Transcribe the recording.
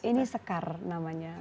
ini sekar namanya